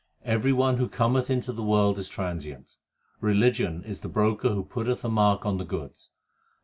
Every one who cometh into the world is transient. Religion is the broker who putteth a mark on the goods.